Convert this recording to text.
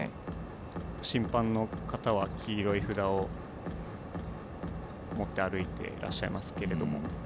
審判の方は黄色い札を持って歩いていらっしゃいますけれど。